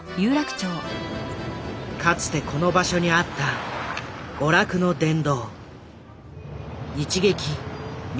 かつてこの場所にあった娯楽の殿堂